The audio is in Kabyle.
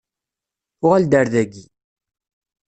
Uɣal-d ar daki.